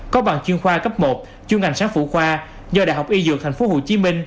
có bằng chuyên khoa cấp một chuyên ngành sáng phụ khoa do đại học y dược tp hcm